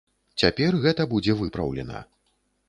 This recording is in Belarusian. Цяпер гэта будзе выпраўлена.